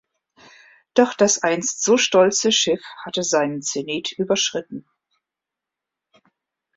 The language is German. Doch das einst so stolze Schiff hatte seinen Zenit überschritten.